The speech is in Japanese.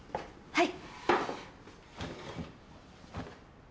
はい。